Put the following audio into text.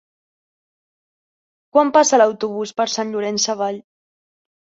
Quan passa l'autobús per Sant Llorenç Savall?